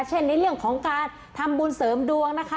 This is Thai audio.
เช่นในเรื่องของการทำบุญเสริมดวงนะคะ